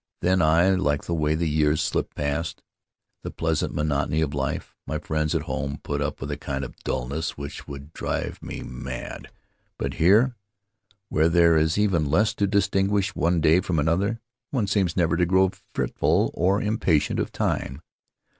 Then I like the way the years slip past — the pleasant monotony of life. My friends at home put up with a kind of dullness which would drive me mad ; but here, where there is even less to dis tinguish one day from another, one seems never to grow fretful or impatient of time.